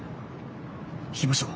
行きましょう。